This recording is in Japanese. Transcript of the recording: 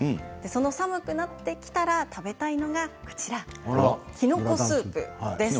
寒くなってきたら食べたいのがきのこスープです。